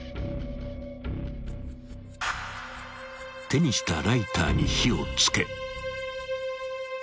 ［手にしたライターに火を付け］